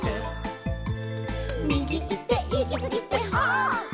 「みぎいっていきすぎてはっ」